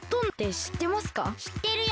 しってるよ。